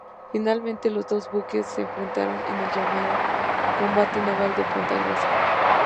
Finalmente, los dos buques se enfrentaron en el llamado combate naval de Punta Gruesa.